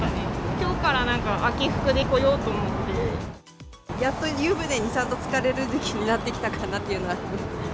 きょうからなんか、秋服で来ようやっと湯船にちゃんとつかれる時期になってきたかなっていうのはあります。